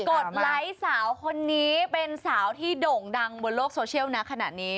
ดไลค์สาวคนนี้เป็นสาวที่โด่งดังบนโลกโซเชียลนะขนาดนี้